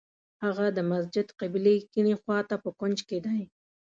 هغه د مسجد قبلې کیڼې خوا ته په کونج کې دی.